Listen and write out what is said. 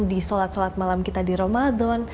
di sholat sholat malam kita di ramadan